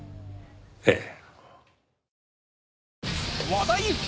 ええ。